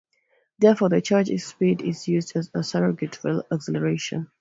Therefore, the change in speed is used as a surrogate for acceleration.